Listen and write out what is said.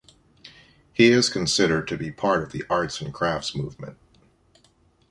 He is considered to be part of the Arts and Crafts Movement.